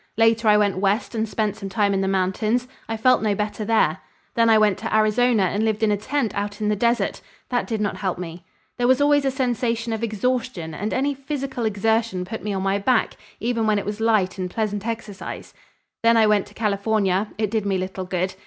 Later I went west and spent some time in the mountains. I felt no better there. Then I went to Arizona and lived in a tent out on the desert; that did not help me. There was always a sensation of exhaustion and any physical exertion put me on my back, even when it was light and pleasant exercise. Then I went to California; it did me little good.